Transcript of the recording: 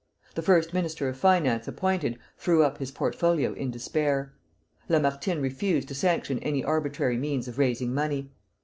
The first Minister of Finance appointed, threw up his portfolio in despair. Lamartine refused to sanction any arbitrary means of raising money.